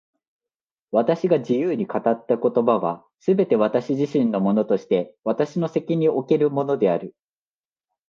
私が自由に語った言葉は、すべて私自身のものとして私の責任におけるものである。